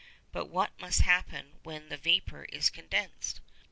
But what must happen when vapour is condensed?